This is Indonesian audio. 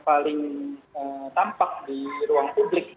paling tampak di ruang publik